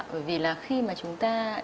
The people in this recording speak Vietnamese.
bởi vì là khi mà chúng ta